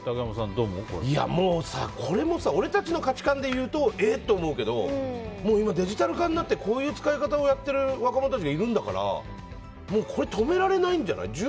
もうさ、これも俺たちの価値観で言うとえって思うけど今、デジタル化になってこういう使い方をやってる若者たちがいるんだｋらこれ、止められないんじゃない？